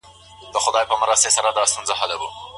د ښځو ښکلا څنګه د تباهۍ سبب کيدلای سي؟